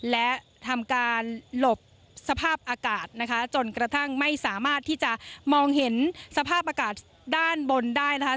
และทำการหลบสภาพอากาศนะคะจนกระทั่งไม่สามารถที่จะมองเห็นสภาพอากาศด้านบนได้นะคะ